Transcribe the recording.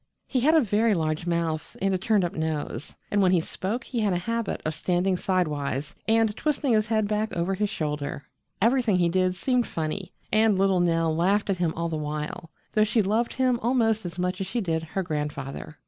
He had a very large mouth and a turned up nose, and when he spoke he had a habit of standing sidewise and twisting his head back over his shoulder. Everything he did seemed funny, and little Nell laughed at him all the while, though she loved him almost as much as she did her grandfather.